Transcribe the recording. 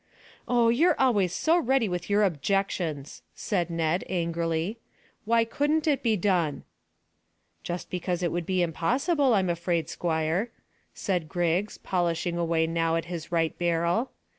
"Oh, you're always so ready with your objections," said Ned angrily. "Why couldn't it be done?" "Just because it would be impossible, I'm afraid, squire," said Griggs, polishing away now at his right barrel.